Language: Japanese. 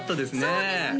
そうですね